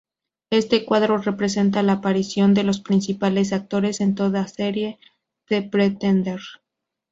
Este cuadro representa la aparición de los principales actores en toda serie "The Pretender".